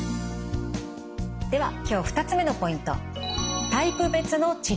では今日２つ目のポイント。